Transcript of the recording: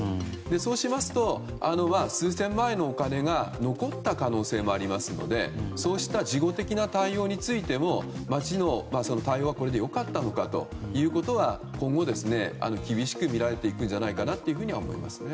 そうしますと、数千万円のお金が残った可能性もありますのでそうした事後的な対応についても町の対応はこれで良かったのか今後、厳しく見られていくのではないかと思っています。